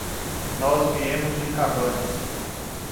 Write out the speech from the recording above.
Nós viemos de Cabanes.